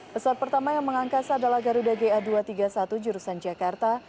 pesawat pertama yang mengangkas adalah garuda ga dua ratus tiga puluh satu jurusan jakarta